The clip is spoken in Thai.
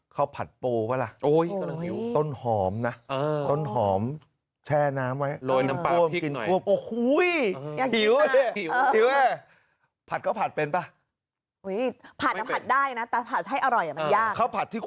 ผัดปูป่ะล่ะต้นหอมนะต้นหอมแช่น้ำไว้